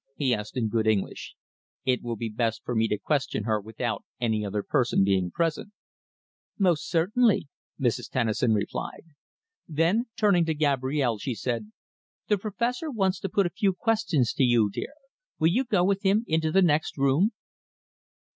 he asked in good English. "It will be best for me to question her without any other person being present." "Most certainly," Mrs. Tennison replied. Then, turning to Gabrielle, she said: "The Professor wants to put a few questions to you, dear. Will you go with him into the next room?"